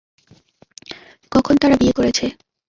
কখন তারা বিয়ে করেছে?